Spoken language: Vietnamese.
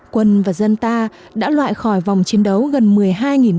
quân và dân ta đã loại khỏi vòng chiến đấu gần một mươi hai